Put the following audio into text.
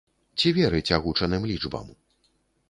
Ці верыць агучаным лічбам?